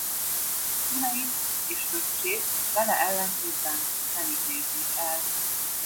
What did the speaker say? Szüleit és öccsét vele ellentétben nem ítélték el.